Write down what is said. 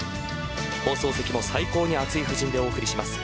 放送席も最高に熱い布陣でお送りします。